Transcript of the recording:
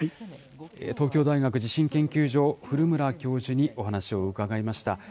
東京大学地震研究所、古村教授にお話を伺いました。